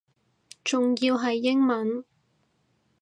仲要係英文